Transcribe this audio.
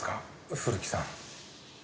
古木さん。